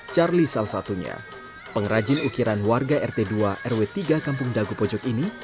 charlie salah satunya pengrajin ukiran warga rt dua rw tiga kampung dago pojok ini